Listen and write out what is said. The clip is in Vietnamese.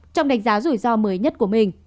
trong đánh giá rủi ro mới nhất của mình